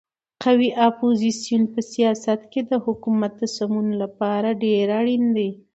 قوي اپوزیسیون په سیاست کې د حکومت د سمون لپاره ډېر اړین دی.